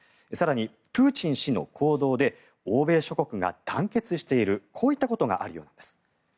更にプーチン氏の行動で欧米諸国が団結しているこういったことがあるようです。